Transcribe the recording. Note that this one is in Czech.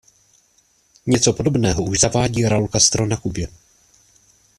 Něco podobného už zavádí Raúl Castro na Kubě.